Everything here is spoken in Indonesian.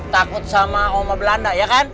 takut sama oma belanda ya kan